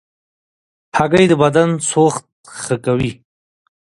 هګۍ د بدن سوخت ښه کوي.